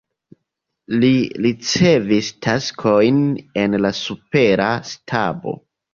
Li ricevis taskojn en la supera stabo.